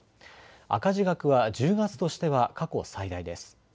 赤字額は１０月としては過去最大です。